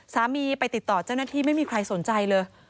ไปติดต่อเจ้าหน้าที่ไม่มีใครสนใจเลย